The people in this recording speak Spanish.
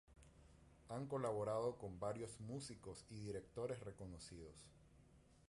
Han colaborado con varios músicos y directores reconocidos.